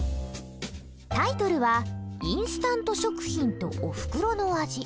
タイトルは「インスタント食品と『おふくろの味』」。